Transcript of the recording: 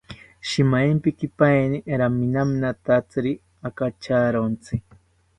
Shimaempikipaeni raminaminatziri akacharontzi